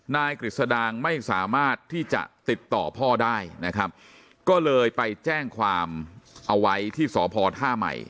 กฤษดางไม่สามารถที่จะติดต่อพ่อได้นะครับก็เลยไปแจ้งความเอาไว้ที่สพท่าใหม่